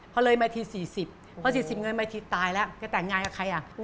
พอเลยมาที๔๐พอ๔๐เงินมาอีกทีตายแล้วจะแต่งงานกับใครอ่ะ